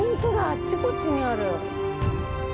あっちこっちにある。